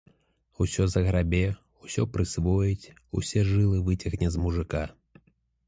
Усё заграбе, усё прысвоіць, усе жылы выцягне з мужыка.